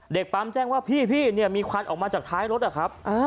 ปั๊มแจ้งว่าพี่เนี่ยมีควันออกมาจากท้ายรถอะครับ